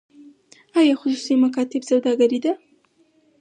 آیا خصوصي مکاتب سوداګري ده؟